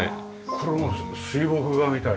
これは水墨画みたいだね。